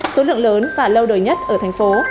số lượng lớn và lâu đời nhất ở tp